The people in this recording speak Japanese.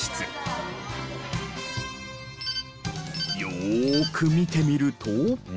よーく見てみると。